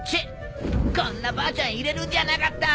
こんなばあちゃん入れるんじゃなかった！